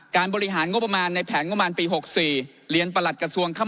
บริหารงบประมาณในแผนงบประมาณปี๖๔เรียนประหลัดกระทรวงเข้า